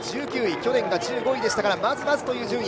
去年が１５位でしたから、まずまずという順位。